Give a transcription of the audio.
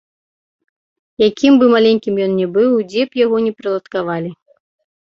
Якім бы маленькім ён не быў і дзе б яго не прыладкавалі.